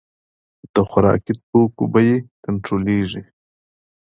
د خوراکي توکو بیې کنټرولیږي